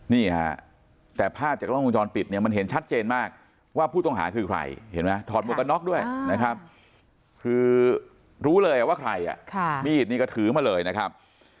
นี่ฮะแต่ภาพจากล้องวงจรปิดเนี่ยมันเห็นชัดเจนมากว่าผู้ต้องหาคือใครเห็นไหมถอดหมวกกันน็อกด้วยนะครับคือรู้เลยว่าใครมีดนี่ก็ถือมาเลยนะครับ